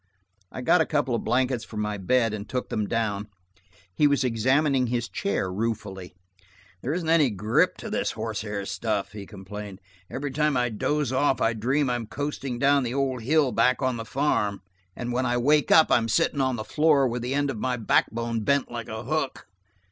I got a couple of blankets from my bed and took them down. He was examining his chair ruefully. "There isn't any grip to this horsehair stuff," he complained. "Every time I doze off I dream I'm coasting down the old hill back on the farm, and when I wake up I'm sitting on the floor, with the end of my back bone bent like a hook."